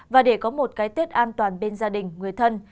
và để có một cái tết an toàn bên gia đình người thân